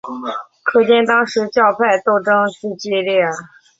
可见当时教派斗争之激烈。